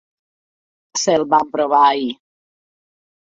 S'el va emprovar ahir.